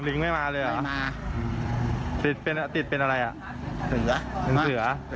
ลิงไม่มาเลยเหรอติดเป็นอะไรอ่ะถือเหรอถือเหรอ